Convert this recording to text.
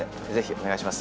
お願いします。